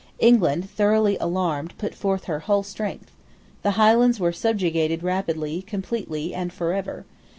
England, thoroughly alarmed, put forth her whole strength. The Highlands were subjugated rapidly, completely, and for ever.